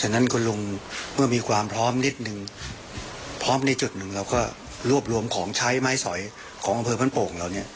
ฉะนั้นคุณลุงเมื่อมีความพร้อมนิดนึงพร้อมในจุดหนึ่งเราก็รวบรวมของใช้ไม้สอยของอำเภอบ้านโป่งเราเนี่ย